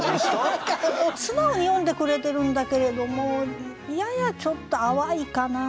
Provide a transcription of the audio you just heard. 素直に詠んでくれてるんだけれどもややちょっと淡いかな。